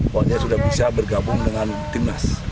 pokoknya sudah bisa bergabung dengan timnas